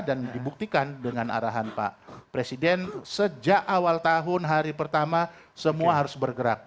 dan dibuktikan dengan arahan pak presiden sejak awal tahun hari pertama semua harus bergerak